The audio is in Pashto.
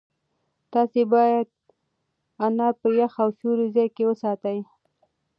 تاسو باید انار په یخ او سیوري ځای کې وساتئ.